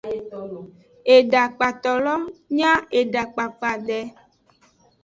Edakpato lo nya edakpakpa de.